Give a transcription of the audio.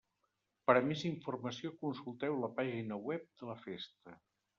Per a més informació, consulteu la pàgina web de la festa.